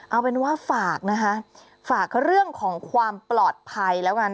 เอาเป็นว่าฝากนะคะฝากเรื่องของความปลอดภัยแล้วกัน